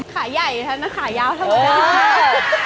ขาใหญ่ใช่มั้ยน่ะขายาวเท่านั้น